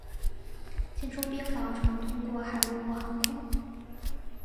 进出冰岛只能通过海路或航空。